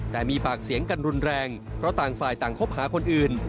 แต่มีปากเสียงกันรุนแรงเพราะต่างฝ่ายต่างคบหาคนอื่น